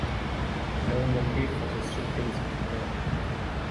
No motive for the shootings is known.